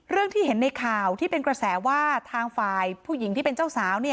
ที่เห็นในข่าวที่เป็นกระแสว่าทางฝ่ายผู้หญิงที่เป็นเจ้าสาว